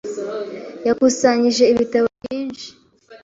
Yakusanyije ibitabo byinshi.